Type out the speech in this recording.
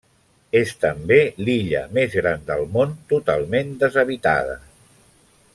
És també l'illa més gran del món totalment deshabitada.